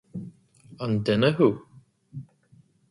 An duine thú?